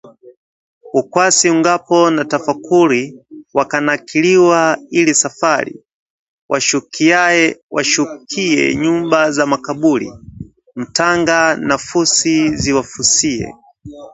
Ukwasi ungapo na tafakhuri, wakanakiliwa ili safari, Washukiye nyumba za makaburi, mtanga na fusi ziwafusiye